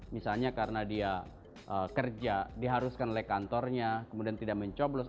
misalnya karena dia kerja diharuskan oleh kantornya kemudian tidak mencoblos